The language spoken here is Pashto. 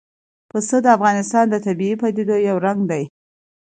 پسه د افغانستان د طبیعي پدیدو یو رنګ دی.